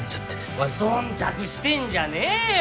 お前そんたくしてんじゃねぇよ。